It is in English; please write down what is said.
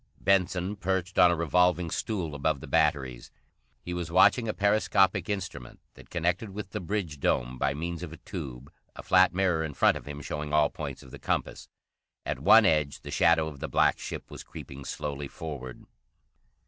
Benson perched on a revolving stool above the batteries. He was watching a periscopic instrument that connected with the bridge dome by means of a tube, a flat mirror in front of him showing all points of the compass. At one edge the shadow of the black ship was creeping slowly forward.